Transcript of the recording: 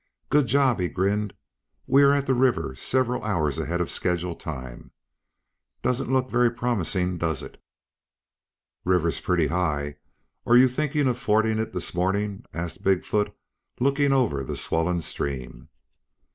"Good job," he grinned. "We are at the river several hours ahead of schedule time. Doesn't look very promising, does it?" "River's pretty high. Are you thinking of fording it this morning?" asked Big foot, looking over the swollen stream.